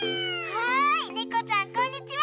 はいねこちゃんこんにちは。